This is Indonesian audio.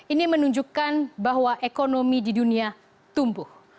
ini menunjukkan bahwa ekonomi di dunia tumbuh